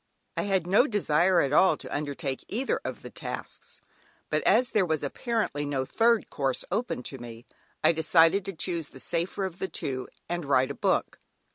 I had no desire at all to undertake either of the tasks, but as there was apparently no third course open to me, I decided to choose the safer of the two, and write a book.